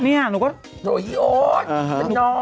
เนี่ยหนูก็โอ๊ตเป็นน้อง